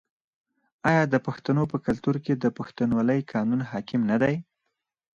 آیا د پښتنو په کلتور کې د پښتونولۍ قانون حاکم نه دی؟